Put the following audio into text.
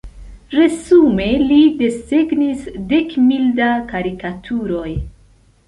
Resume li desegnis dek mil da karikaturoj.